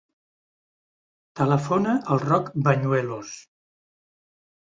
Telefona al Roc Bañuelos.